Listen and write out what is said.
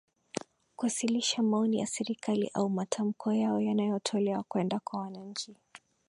Kuwasilisha maoni ya serikali au matamko yao yanayotolewa kwenda kwa wananchi